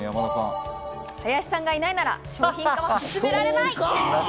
林さんがいないなら商品化、進められない。